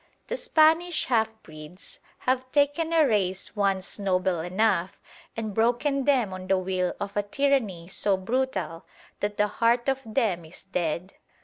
The Spanish half breeds have taken a race once noble enough and broken them on the wheel of a tyranny so brutal that the heart of them is dead.